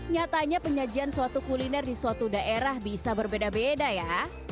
nyatanya penyajian suatu kuliner di suatu daerah bisa berbeda beda ya